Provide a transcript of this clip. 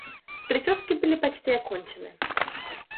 прически были почти окончены.